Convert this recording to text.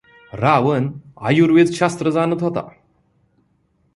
रावण आयुर्वेद शास्त्र जाणत होता.